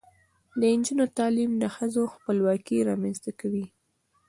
د نجونو تعلیم د ښځو خپلواکۍ رامنځته کوي.